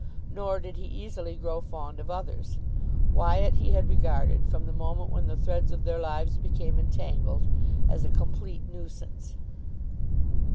Nor did he easily grow fond of others. Wyatt he had regarded, from the moment when the threads of their lives became entangled, as a complete nuisance.